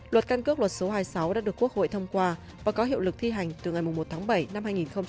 luật căn cước luật số hai mươi sáu đã được quốc hội thông qua và có hiệu lực thi hành từ ngày một tháng bảy năm hai nghìn hai mươi